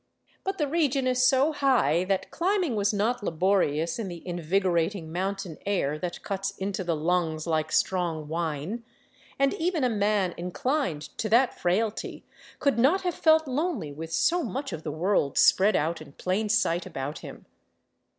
But the region is so high that climbing was not laborious in the invigorating mountain air that cuts into the lungs like strong wine; and even a man inclined to that frailty could not have felt lonely with so much of the world spread out in plain sight about him.